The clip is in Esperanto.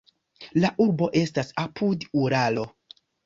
La urbo estas apud Uralo.